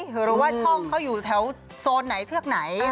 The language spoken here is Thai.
หรือว่าช่องเขาอยู่แถวโซนไหนเทือกไหน